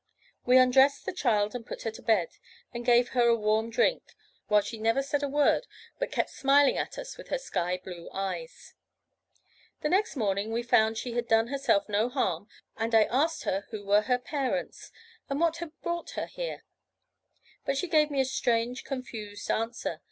We undressed the child, put her to bed, and gave her a warm drink, while she never said a word, but kept smiling at us with her sky blue eyes. "The next morning we found she had done herself no harm; and I asked her who were her parents, and what had brought her here; but she gave me a strange, confused answer.